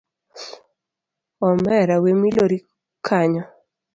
Omera we milori kanyo.